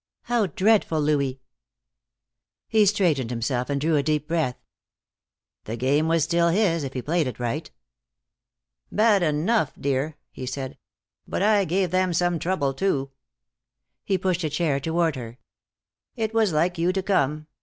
"How dreadful, Louis." He straightened himself and drew a deep breath. The game was still his, if he played it right. "Bad enough, dear," he said, "but I gave them some trouble, too." He pushed a chair toward her. "It was like you to come.